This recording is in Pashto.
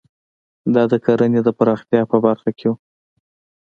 دا د کرنې د پراختیا په برخه کې وو.